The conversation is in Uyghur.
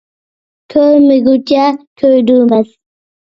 كۆرمىگۈچە كۆيدۈرمەس.